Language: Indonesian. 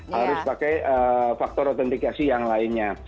harus pakai faktor otentikasi yang lainnya